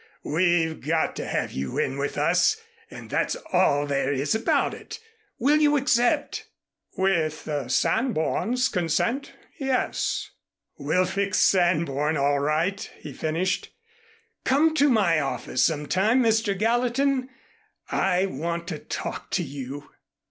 "We've got to have you in with us, and that's all there is about it. Will you accept?" "With Sanborn's consent, yes." "We'll fix Sanborn, all right," he finished. "Come to my office some time, Mr. Gallatin, I want to talk to you."